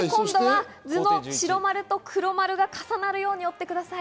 図の白丸と黒丸が重なるように折ってください。